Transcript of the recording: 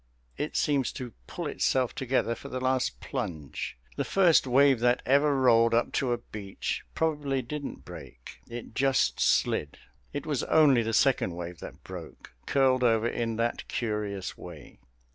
It seems to pull itself together for the last plunge. The first wave that ever rolled up to a beach probably didn't break. It just slid. It was only the second wave that broke curled over in that curious way.